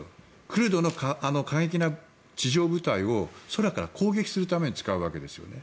クルドの過激な地上部隊を空から攻撃するために使うわけですよね。